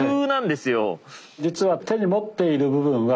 実は手に持っている部分は